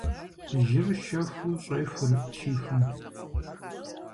Жьыр щэхуу щӏехур щихум.